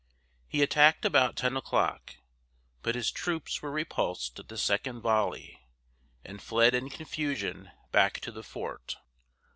He attacked about ten o'clock, but his troops were repulsed at the second volley and fled in confusion back to the fort.